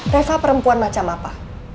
reva perempuan macam apa